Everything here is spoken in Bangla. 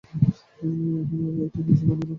আমি এটা নিজে বানালাম।